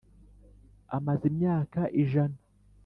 Amaze imyaka ijana.